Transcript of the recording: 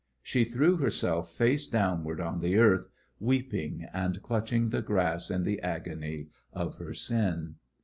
She threw herself face downward on the earth, weeping and clutching the grass in the agony of her sin.